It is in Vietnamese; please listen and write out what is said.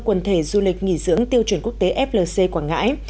quần thể du lịch nghỉ dưỡng tiêu chuẩn quốc tế flc quảng ngãi